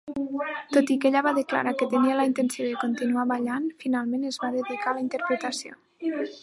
Tot i que ella va declarar que tenia la intenció de continuar ballant, finalment es va dedicar a la interpretació.